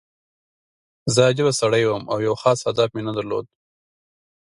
زه عجیبه سړی وم او یو خاص هدف مې نه درلود